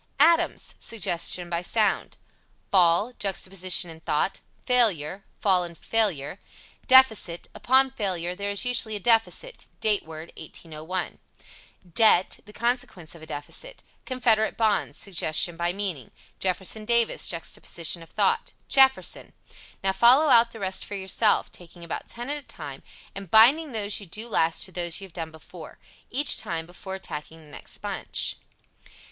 ADAMS Suggestion by sound. Fall Juxtaposition of thought. Failure Fall and failure. (Deficit) Upon failure there is usually a deficit Date word (1801). Debt The consequence of a deficit. Confederate bonds Suggestion by meaning. Jefferson Davis Juxtaposition of thought. JEFFERSON. Now follow out the rest for yourself, taking about ten at a time, and binding those you do last to those you have done before, each time, before attacking the next bunch.